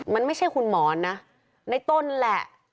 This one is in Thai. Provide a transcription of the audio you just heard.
มันไม่ใช่คุณหมอนนะในต้นแหละ